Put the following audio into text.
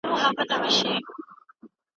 استاد تر شاګرد ډېر معلومات لري.